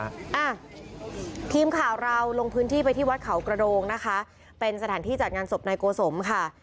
อ่ะทีมข่าวเราลงพื้นที่ไปที่วัดเขากระโดงนะคะเป็นสถานที่จัดงานศพนายโกสมค่ะ